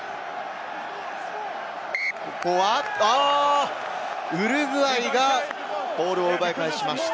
ここはウルグアイがボールを奪い返しました。